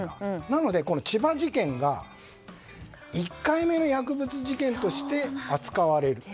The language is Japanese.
なので、千葉事件が１回目の薬物事件として扱われる。